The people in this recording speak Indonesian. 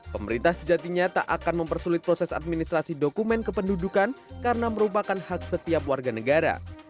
pemerintah sejatinya tak akan mempersulit proses administrasi dokumen kependudukan karena merupakan hak setiap warga negara